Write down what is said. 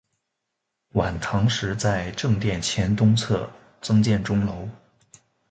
晚唐时在正殿前东侧增建钟楼。